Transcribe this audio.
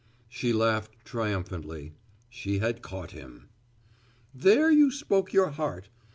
She laughed triumphantly. She had caught him. "There spoke your heart.